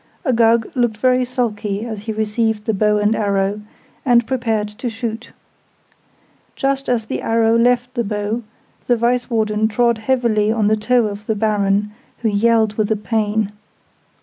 Uggug looked very sulky as he received the bow and arrow, and prepared to shoot. Just as the arrow left the bow, the Vice Warden trod heavily on the toe of the Baron, who yelled with the pain.